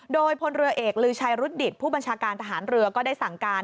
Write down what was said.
โดยพลเรือเอกลือชัยรุดดิตผู้บัญชาการทหารเรือก็ได้สั่งการ